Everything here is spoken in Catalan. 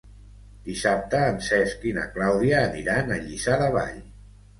Dissabte en Cesc i na Clàudia aniran a Lliçà de Vall.